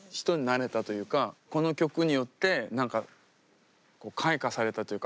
この曲によって何か開花されたというか